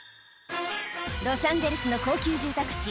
ロサンゼルスの高級住宅地